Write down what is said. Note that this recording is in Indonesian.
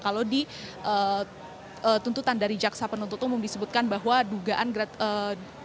kalau di tuntutan dari jaksa penuntut umum disebutkan bahwa dugaan gratifikasi